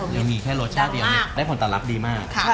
ยังมีแค่รสชาติเดียวได้ผลตอบรับดีมาก